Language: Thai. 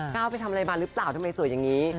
ก้าวไปทำอะไรมาหรือเปล่าทำไมสวยอย่างนี้